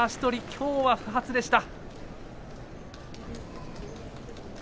きょうは不発でした。